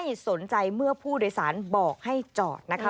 สนใจเมื่อผู้โดยสารบอกให้จอดนะคะ